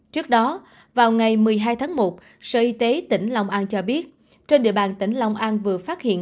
trước đó vào ngày một mươi hai tháng một sở y tế tỉnh long an cho biết trên địa bàn tỉnh long an vừa phát hiện